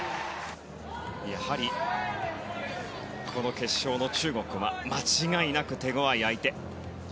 やはり、この決勝の中国は間違いなく手ごわい相手。